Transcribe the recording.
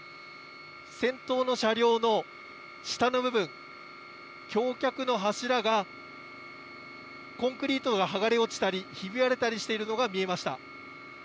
先頭の車両の下の部分、橋脚の柱がコンクリートが剥がれ落ちたり、ひび割れたりしているのが見えました。